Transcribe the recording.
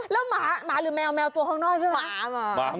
แล้วหมาหรือแมวแมวตัวข้างนอกใช่ไหม